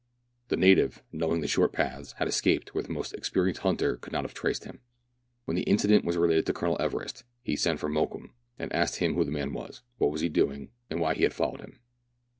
The native, knowing the short paths, had escaped where the most experienced hunter could not have traced him. When the incident was related to Colonel Everest he sent for Mokoum, and asked him who the man was .• what he was doing ? and why he had followed him